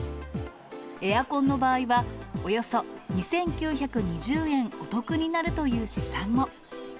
エアコンの場合は、およそ２９２０円お得になるという試算も。